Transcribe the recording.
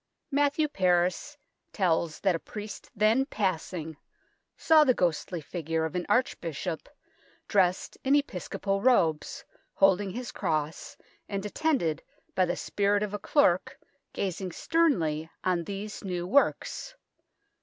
Matthew Paris tells that a priest then passing saw the ghostly figure of an arch bishop, dressed in episcopal robes, holding his cross, and attended by the spirit of a clerk, gazing sternly on these new works.